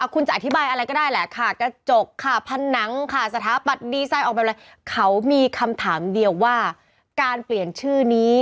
เขามีคำถามเดียวว่าการเปลี่ยนชื่อนี้